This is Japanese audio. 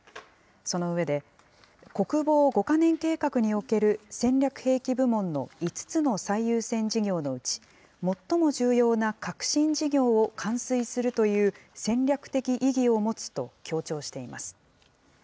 その上で、国防５か年計画における戦略兵器部門の５つの最優先事業のうち、最も重要な核心事業を完遂するという戦略的意義を持つと強調しています。